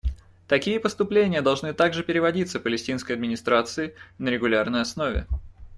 Такие поступления должны также переводиться Палестинской администрации на регулярной основе.